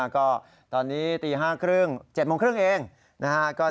แล้วก็ตอนนี้ตีห้าครึ่งเจ็ดโมงครึ่งเองนะฮะ